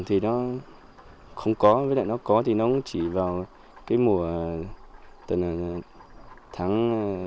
thời nó chỉ có ba bốn tháng